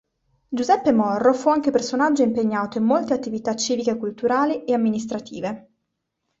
Giuseppe Morro fu anche personaggio impegnato in molte attività civiche culturali e amministrative.